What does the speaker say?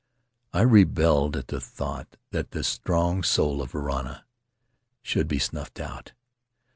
... I rebelled at the thought that the strong soul of Varana should be snuffed out.